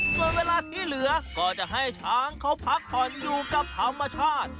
ส่วนเวลาที่เหลือก็จะให้ช้างเขาพักผ่อนอยู่กับธรรมชาติ